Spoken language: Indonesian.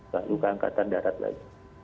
lalu ke angkatan darat lagi